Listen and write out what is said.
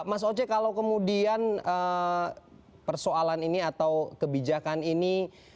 mas oce kalau kemudian persoalan ini atau kebijakan ini